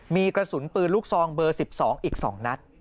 มีกระสุนปืนลูกซองเบอร์๑๒อีก๒นัด